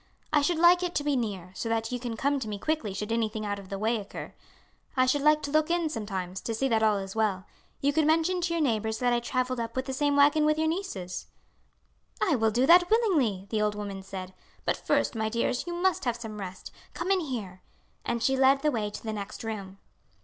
I should like it to be near, so that you can come to me quickly should anything out of the way occur. I should like to look in sometimes to see that all is well. You could mention to your neighbours that I travelled up with the same waggon with your nieces. "I will do that willingly," the old woman said; "but first, my dears, you must have some rest; come in here." And she led the way to the next room.